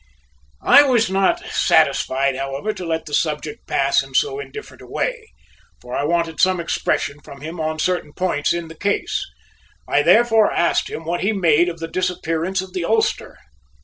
I was not satisfied, however, to let the subject pass in so indifferent a way, for I wanted some expression from him on certain points in the case. I therefore asked him what he made of the disappearance of the ulster.